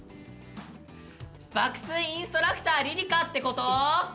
爆睡インストラクターＲＩＲＩＫＡってこと？